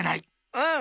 うん！